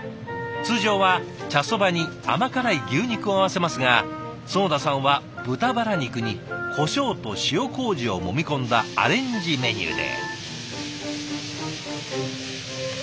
通常は茶そばに甘辛い牛肉を合わせますが囿田さんは豚バラ肉にこしょうと塩こうじをもみ込んだアレンジメニューで。